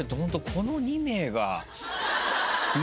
この２名が。